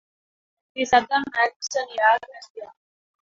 Dissabte en Max anirà a Crespià.